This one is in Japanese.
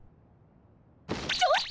ちょっと！